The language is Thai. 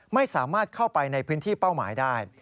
ไม่สามารถเข้าไปในพื้นที่เป้าหมายได้